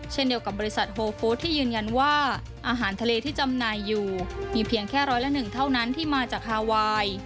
เช่นเดียวกับบริษัทโฮฟู้ดที่ยืนยันว่าอาหารทะเลที่จำหน่ายอยู่มีเพียงแค่ร้อยละหนึ่งเท่านั้นที่มาจากฮาไวน์